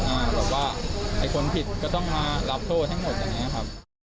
แบบว่าไอ้คนผิดก็ต้องมารับโทษทั้งหมดอย่างนี้ครับ